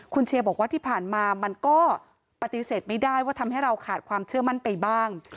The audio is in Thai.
คุณเชียร์บอกว่าที่ผ่านมามันก็ปฏิเสธไม่ได้ว่าทำให้เราขาดความเชื่อมั่นไปบ้าง